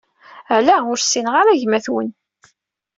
Ala, ur ssineɣ ara gma-t-wen.